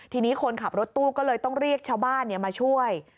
ทีนี้คนขับรถตู้ก็เลยต้องเรียกชาวบ้านมาช่วย